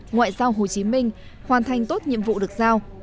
ngoại giao hồ chí minh hoàn thành tốt nhiệm vụ được giao